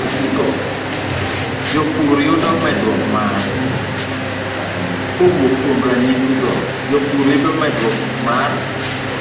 Kowuok kuom ranyisi go, jopur yudo medruok mar